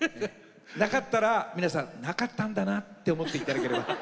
なかったら、なかったんだなと思っていただければ。